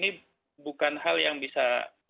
ini bukan hal yang bisa mengubah secara terhadap kita